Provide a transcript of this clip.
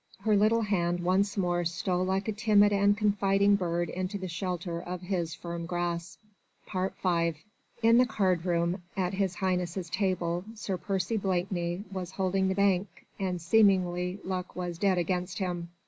Her little hand once more stole like a timid and confiding bird into the shelter of his firm grasp. V In the card room at His Highness' table Sir Percy Blakeney was holding the bank and seemingly luck was dead against him.